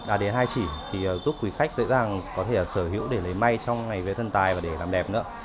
đạt đến hai chỉ thì giúp quý khách dễ dàng có thể sở hữu để lấy may trong ngày vé thân tài và để làm đẹp nữa